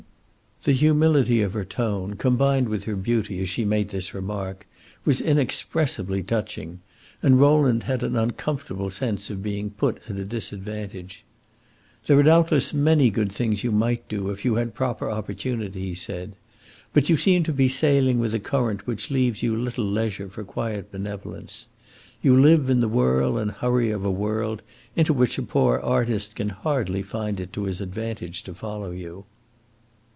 The humility of her tone, combined with her beauty, as she made this remark, was inexpressibly touching, and Rowland had an uncomfortable sense of being put at a disadvantage. "There are doubtless many good things you might do, if you had proper opportunity," he said. "But you seem to be sailing with a current which leaves you little leisure for quiet benevolence. You live in the whirl and hurry of a world into which a poor artist can hardly find it to his advantage to follow you."